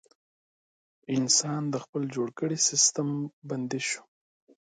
انسان د خپل جوړ کړي سیستم بندي شو.